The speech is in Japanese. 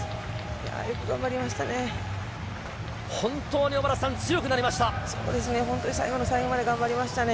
よく頑張りましたね。